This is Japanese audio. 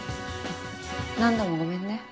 何度もごめんね。